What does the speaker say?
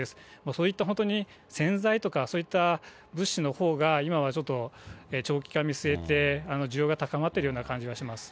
そういった、本当に洗剤とか、そういった物資のほうが、今はちょっと、長期化を見据えて需要が高まってるような感じがします。